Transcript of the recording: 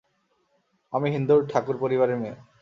আমি হিন্দু ঠাকুর পরিবারের মেয়ে।